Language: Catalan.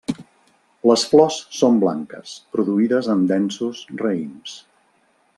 Les flors són blanques, produïdes en densos raïms.